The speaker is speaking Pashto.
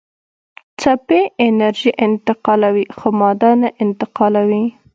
څپې انرژي انتقالوي خو ماده نه انتقالوي.